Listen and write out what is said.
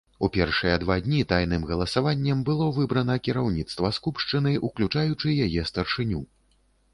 У першыя два дні тайным галасаваннем было выбрана кіраўніцтва скупшчыны, уключаючы яе старшыню.